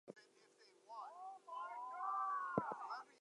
Jordan grew up in Los Angeles with seven sisters and two brothers.